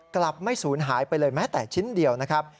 กลับไม่สูญหายไปเลยแม้แต่ชิ้นเดียวนะครับ